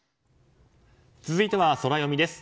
続いてはソラよみです。